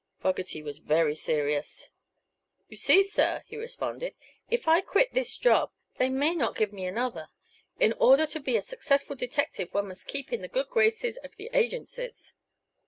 Fogerty was very serious. "You see, sir," he responded, "if I quit this job they may not give me another. In order to be a successful detective one must keep in the good graces of the agencies."